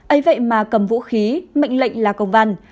ấy vậy mà cầm vũ khí mệnh lệnh là công văn